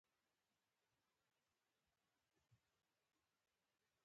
ډيپلوماسي د ملتونو ترمنځ د سولې بنسټ ایښی دی.